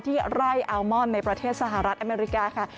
ที่ไร่อาร์มอนด์ในประเทศสหรัฐอเมริกาค่ะ